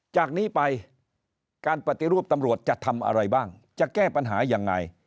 จากนี้ไปการปฏิรูปตำรวจจะทำอะไรบ้างจะแก้ปัญหายังไง